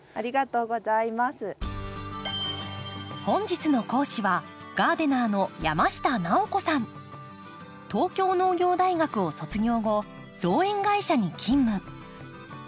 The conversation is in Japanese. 本日の講師は東京農業大学を卒業後造園会社に勤務。